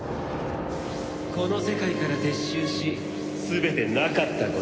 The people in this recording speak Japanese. この世界から撤収し全てなかったことにする。